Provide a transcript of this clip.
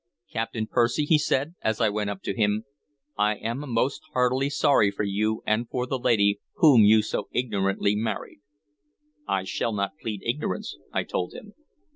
"Captain Percy," he said, as I went up to him, "I am most heartily sorry for you and for the lady whom you so ignorantly married." "I shall not plead ignorance," I told him.